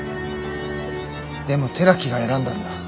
でも寺木が選んだんだ。